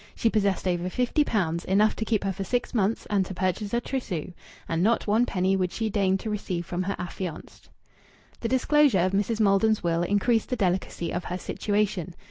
She possessed over fifty pounds enough to keep her for six months and to purchase a trousseau, and not one penny would she deign to receive from her affianced. The disclosure of Mrs. Maldon's will increased the delicacy of her situation.